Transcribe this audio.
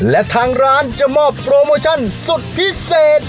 และทางร้านจะมอบโปรโมชั่นสุดพิเศษ